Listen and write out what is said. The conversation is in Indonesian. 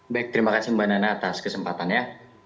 baik terima kasih mbak nana atas kesempatannya